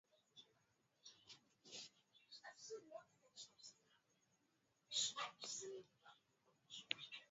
wa hewa piaUchafuzi wa hewa pia umehusishwa na janga